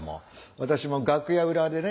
私も楽屋裏でね